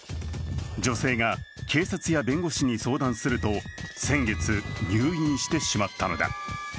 女性が警察や弁護士に相談すると先月、入院してしまったのだ。